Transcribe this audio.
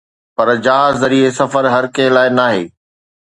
پر جهاز ذريعي سفر هر ڪنهن لاءِ ناهي.